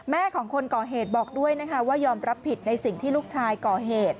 ของคนก่อเหตุบอกด้วยนะคะว่ายอมรับผิดในสิ่งที่ลูกชายก่อเหตุ